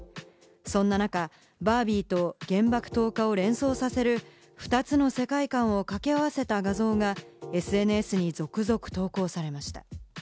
そんな中、『バービー』と原爆投下を連想させる２つの世界観を掛け合わせた画像がＳＮＳに続々投稿されました。